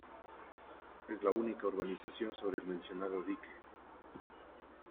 Es la única urbanización sobre el mencionado dique.